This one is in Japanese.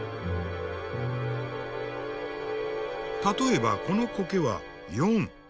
例えばこの苔は４。